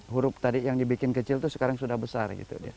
huruf tadi yang dibikin kecil itu sekarang sudah besar gitu